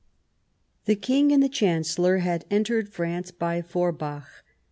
The King and the Chancellor had entered France by Forbach.